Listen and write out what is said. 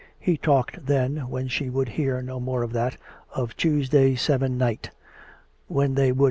He talked tlien, when she would hear no more of that, of Tuesday seven night, when they would 10 COME RACK!